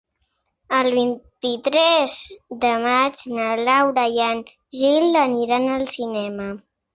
El vint-i-tres de maig na Laura i en Gil aniran al cinema.